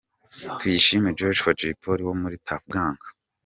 Tuyishime Joshua: Jay Polly wo muri Tuff Gang.